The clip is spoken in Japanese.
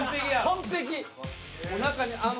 ・完璧。